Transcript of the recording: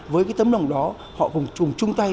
với cái tấm lòng đó họ cùng chung tay